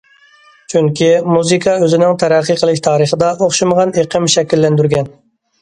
چۈنكى، مۇزىكا ئۆزىنىڭ تەرەققىي قىلىش تارىخىدا ئوخشىمىغان ئېقىم شەكىللەندۈرگەن.